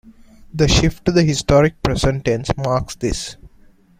The shift to the historic present tense marks this.